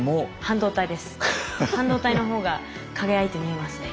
半導体の方が輝いて見えますね。